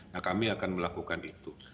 nah kami akan melakukan itu